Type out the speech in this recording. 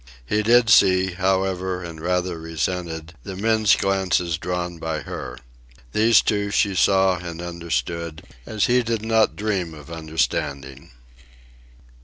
He did see, however, and rather resented, the men's glances drawn by her. These, too, she saw and understood as he did not dream of understanding.